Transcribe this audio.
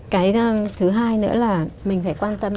cái thứ hai nữa là mình phải quan tâm